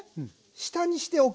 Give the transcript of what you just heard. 下にして置く。